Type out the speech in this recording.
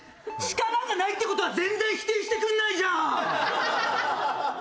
力がないって事は全然否定してくれないじゃん！